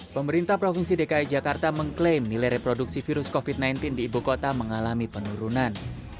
pemerintah provinsi dki jakarta mengklaim nilai reproduksi virus covid sembilan belas di ibu kota mengalami penurunan